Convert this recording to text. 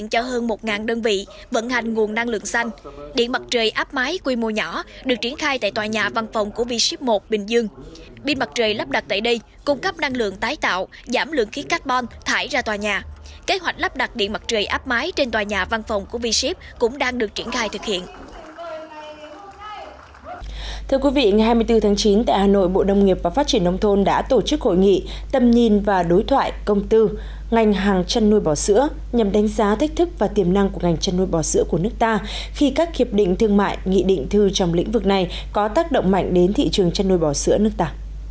nhằm đánh giá thách thức và tiềm năng của ngành chân nuôi bò sữa của nước ta khi các hiệp định thương mại nghị định thư trong lĩnh vực này có tác động mạnh đến thị trường chân nuôi bò sữa nước ta